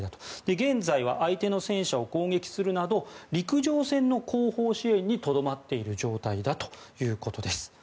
現在は相手の戦車を攻撃するなど陸上戦の後方支援にとどまっている状態ということです。